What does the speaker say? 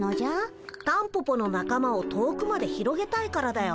タンポポの仲間を遠くまで広げたいからだよ。